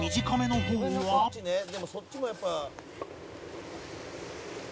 「でもそっちもやっぱ」